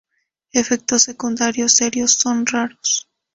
Efectos secundarios serios son raros.